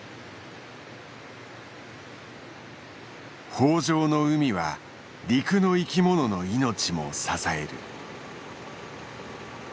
豊じょうの海は陸の生き物の命も支える。